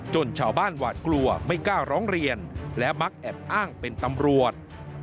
ชาวบ้านหวาดกลัวไม่กล้าร้องเรียนและมักแอบอ้างเป็นตำรวจ